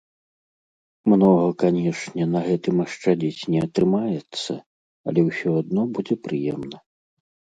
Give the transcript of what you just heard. Многа, канешне, на гэтым ашчадзіць не атрымаецца, але ўсё адно будзе прыемна.